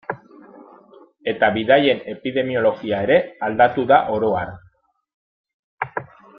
Eta bidaien epidemiologia ere aldatu da oro har.